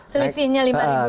selisihnya lima ribu rupiah